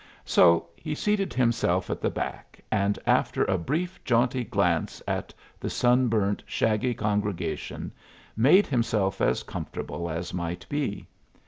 So he seated himself at the back, and after a brief, jaunty glance at the sunburnt, shaggy congregation, made himself as comfortable as might be.